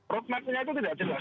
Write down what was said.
roadmapnya itu tidak jelas